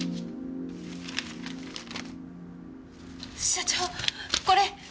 社長これ！